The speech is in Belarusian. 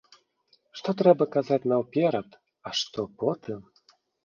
Што трэба казаць наўперад, а што потым?